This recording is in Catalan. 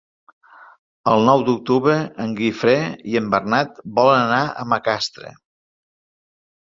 El nou d'octubre en Guifré i en Bernat volen anar a Macastre.